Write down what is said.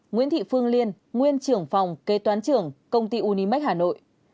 ba nguyễn thị phương liên nguyên trưởng phòng kê toán trưởng công ty unimax hà nội